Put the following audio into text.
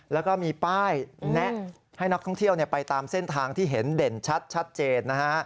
แล้วก็มีป้ายแนะให้นักท่องเที่ยวไปตามเส้นทางที่เห็นเด่นชัดเจนนะฮะ